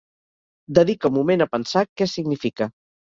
Dedica un moment a pensar què significa.